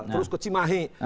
terus ke cimahi